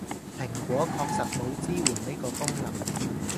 蘋果確實冇支援呢個功能